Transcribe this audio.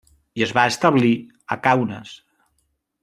I es van establir a Kaunas.